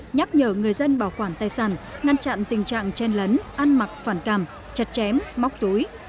nhắc nhở người dân bảo quản tài sản ngăn chặn tình trạng chen lấn ăn mặc phản cảm chặt chém móc túi